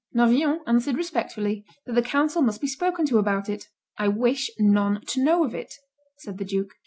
Noviant answered respectfully that the council must be spoken to about it. "I wish none to know of it," said the duke.